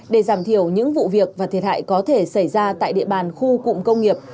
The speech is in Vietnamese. để giảm thiểu những vụ việc và thiệt hại có thể xảy ra tại địa bàn khu cụm công nghiệp